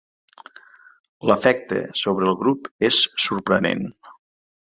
L'efecte sobre el grup és sorprenent.